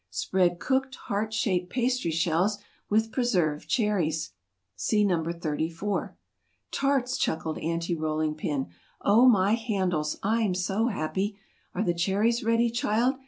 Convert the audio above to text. Spread cooked heart shaped pastry shells with preserved cherries. See No. 34. "Tarts!" chuckled Aunty Rolling Pin. "Oh, my handles! I'm so happy! Are the cherries ready, child?"